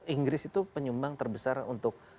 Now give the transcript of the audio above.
inggris itu penyumbang terbesar untuk